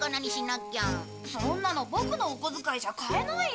そんなのボクのおこづかいじゃ買えないよ。